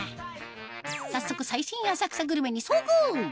早速最新浅草グルメに遭遇！